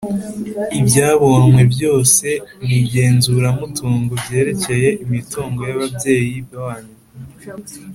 ibyabonwe byose nigenzuramutungo byerekeye imitungo yababyeyi banyu